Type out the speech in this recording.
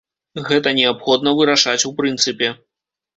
Гэта неабходна вырашаць у прынцыпе.